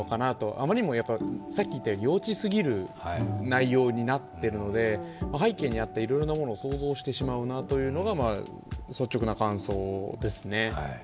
あまりにも幼稚すぎる内容になっているので、背景にあったいろいろなものを想像してしまうなというのが率直な感想ですね。